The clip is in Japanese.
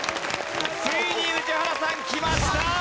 ついに宇治原さんきました。